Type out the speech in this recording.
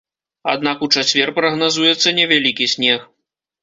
Аднак у чацвер прагназуецца невялікі снег.